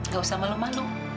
gak usah malu malu